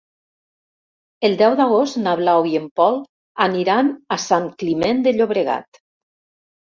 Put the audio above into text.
El deu d'agost na Blau i en Pol aniran a Sant Climent de Llobregat.